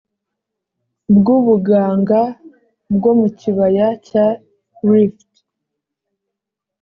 Bw ubuganga bwo mu kibaya cya rift